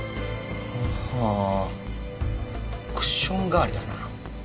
はっはあクッション代わりだな。